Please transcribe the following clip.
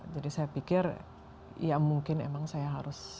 jadi saya pikir ya mungkin memang saya harus